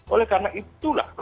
oleh karena itulah